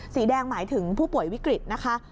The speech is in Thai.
สีแดงหมายถึงผู้ป่วยวิกฤตนะคะ